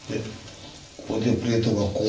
これでプレートがこう。